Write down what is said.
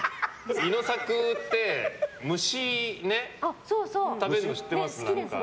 イノサクって虫、食べるの知ってます？